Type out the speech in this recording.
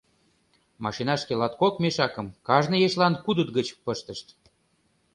Машинашке латкок мешакым, кажне ешлан кудыт гыч, пыштышт.